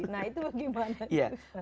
nah itu bagaimana